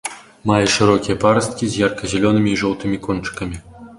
Мае шырокія парасткі з ярка-зялёнымі і жоўтымі кончыкамі.